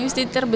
istiqlal itu apa